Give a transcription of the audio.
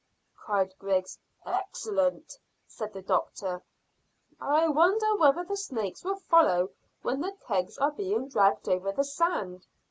cried Griggs. "Excellent!" said the doctor. "I wonder whether the snakes will follow when the kegs are being dragged over the sand?"